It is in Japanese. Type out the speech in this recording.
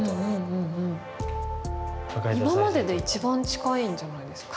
今までで一番近いんじゃないんですか。